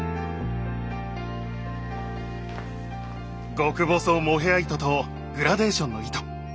極細モヘア糸とグラデーションの糸。